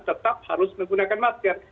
tetap harus menggunakan masker